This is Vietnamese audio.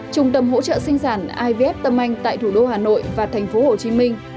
trung tâm hỗ trợ sinh sản ivf tâm anh tại thủ đô hà nội và thành phố hồ chí minh